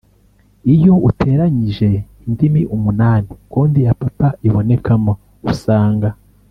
Iyo uteranyije indimi umunani konti ya Papa ibonekamo usanga